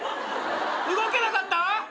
動けなかった？